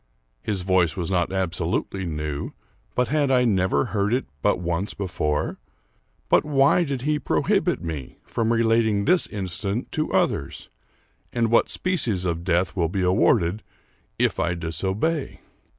His voice was not absolutely new, but had I never heard it but once before ? But why did he prohibit me from relating this incident to others, and what species of death will be awarded if I disobey?